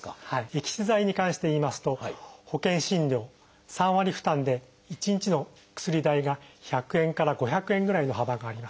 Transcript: エキス剤に関していいますと保険診療３割負担で１日の薬代が１００円から５００円ぐらいの幅があります。